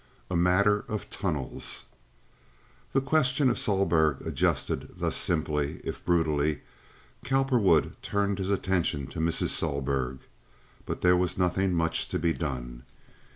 A Matter of Tunnels The question of Sohlberg adjusted thus simply, if brutally, Cowperwood turned his attention to Mrs. Sohlberg. But there was nothing much to be done.